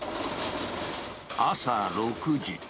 朝６時。